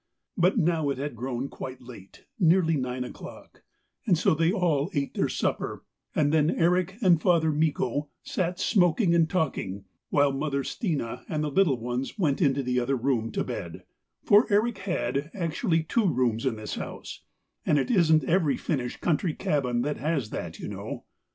But now it had grown quite late, nearly nine o'clock, and so they all ate their supper and then Erik and Father Mikko sat smoking and talking while Mother Stina and the little ones went into the other room to bed, for Erik had actually two rooms in his house, and it isn't every Finnish country cabin that has that, you know.